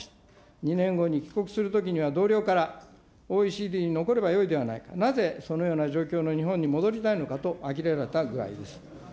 ２年後に帰国するときには、同僚からＯＥＣＤに残ればよいではないか、なぜそのような状況の日本に戻りたいのかとあきれられた具合です。